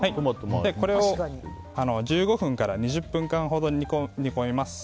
これを１５分から２０分ほど煮込みます。